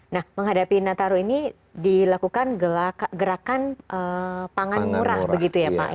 nah menghadapi nataru ini dilakukan gerakan pangan murah begitu ya pak